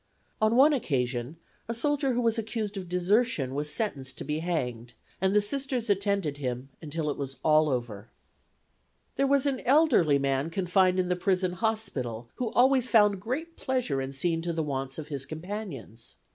On one occasion a soldier who was accused of desertion was sentenced to be hanged, and the Sisters attended him until all was over. There was an elderly man confined in the prison hospital who always found great pleasure in seeing to the wants of his companions.